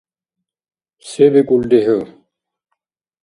– Се бикӀулри хӀу?